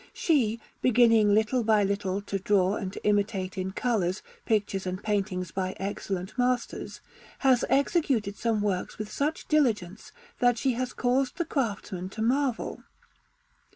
She, beginning little by little to draw and to imitate in colours pictures and paintings by excellent masters, has executed some works with such diligence, that she has caused the craftsmen to marvel.